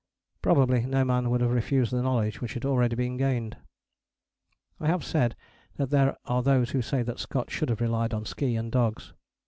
Probably no man would have refused the knowledge which had already been gained. I have said that there are those who say that Scott should have relied on ski and dogs.